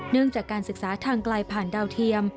เนื่องจากการศึกษาทางไกลผ่านดาวเทียม